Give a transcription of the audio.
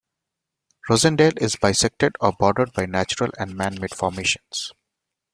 Rosendale is bisected or bordered by natural and man-made formations.